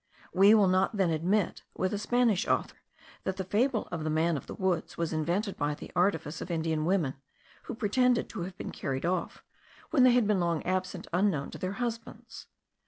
We will not then admit, with a Spanish author, that the fable of the man of the woods was invented by the artifice of Indian women, who pretended to have been carried off, when they had been long absent unknown to their husbands.